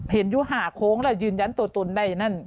เห็นอยู่ห่างโค้งแล้วยืนยันตัวตนได้นั่น